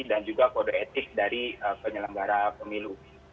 dan juga kode etik dari penyelenggara pemilu